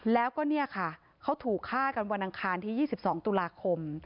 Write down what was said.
แล้วก็เนี่ยค่ะเขาถูกฆ่ากันวันอังคารที่๒๒ตุลาคม